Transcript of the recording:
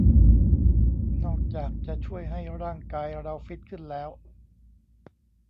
นอกจากจะช่วยให้ร่างกายเราฟิตขึ้นแล้ว